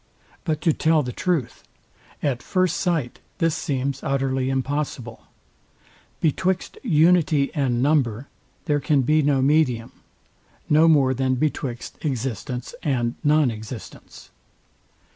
But to tell the truth, at first sight this seems utterly impossible. Betwixt unity and number there can be no medium; no more than betwixt existence and nonexistence.